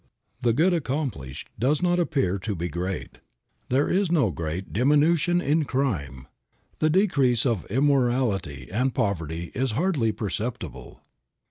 The good accomplished does not appear to be great. There is no great diminution in crime. The decrease of immorality and poverty is hardly perceptible.